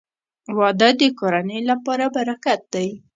• واده د کورنۍ لپاره برکت دی.